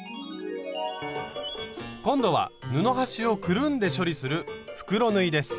今度は布端をくるんで処理する袋縫いです。